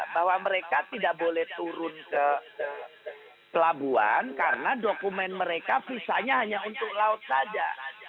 bahwa mereka tidak boleh turun ke pelabuhan karena dokumen mereka visanya hanya untuk laut saja